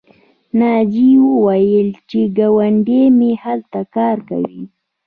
ناجیې وویل چې ګاونډۍ مې هلته کار کوي